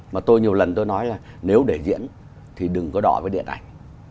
mà tôi nhiều lần tôi nói là nếu để diễn thì đừng có đòi với điện ảnh